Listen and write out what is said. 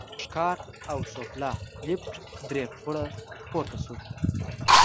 ښکار او سوفله، لېفټ درې پوړه پورته شو.